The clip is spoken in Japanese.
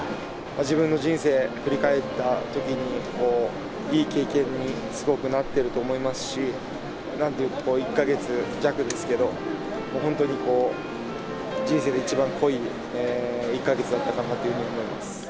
自分の人生振り返ったときに、いい経験にすごくなってると思いますし、なんというか、１か月弱ですけど、もう本当にこう、人生で一番濃い１か月だったかなというふうに思います。